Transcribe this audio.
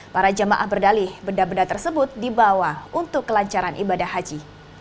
para jamaah berdalih benda benda tersebut dibawa untuk kelancaran ibadah haji